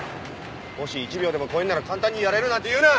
もし１秒でも超えんなら簡単にやれるなんて言うな！